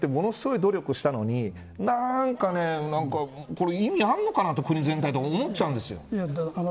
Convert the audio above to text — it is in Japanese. ５０００億円というものすごい努力をしたのになんか、これ意味あるのかなって国全体で思っちゃうんですよ。